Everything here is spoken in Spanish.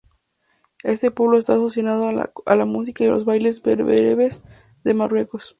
Este pueblo está asociado a la música y los bailes bereberes de Marruecos.